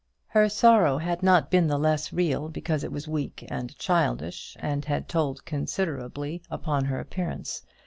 Her sorrow had not been the less real because it was weak and childish, and had told considerably upon her appearance.